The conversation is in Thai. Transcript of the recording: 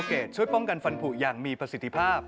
ช่วยป้องกันฟันผูอย่างมีประสิทธิภาพ